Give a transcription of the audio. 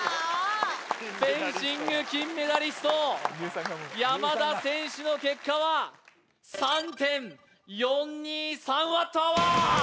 フェンシング金メダリスト山田選手の結果は３．４２３Ｗｈ・フーッ！